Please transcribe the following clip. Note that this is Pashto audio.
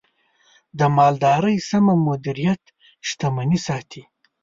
د مالدارۍ سمه مدیریت، شتمني ساتي.